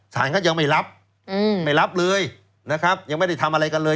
สารก็ยังไม่รับไม่รับเลยนะครับยังไม่ได้ทำอะไรกันเลย